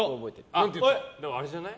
あれじゃない？